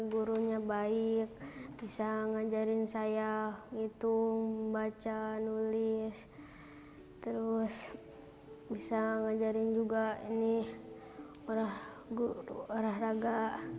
gurunya baik bisa ngajarin saya itu baca nulis terus bisa ngajarin juga ini orang orang raga